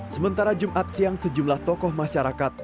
sementara jumat siang sejumlah tokoh masyarakat